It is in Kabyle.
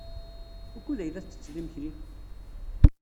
Wukud ay la tettetteḍ imekli?